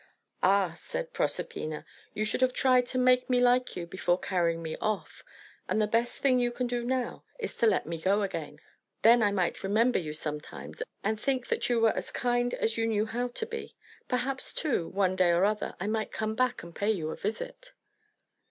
"Ah," said Proserpina, "you should have tried to make me like you before carrying me off. And the best thing you can do now is to let me go again. Then I might remember you sometimes, and think that you were as kind as you knew how to be. Perhaps, too, one day or other, I might come back, and pay you a visit."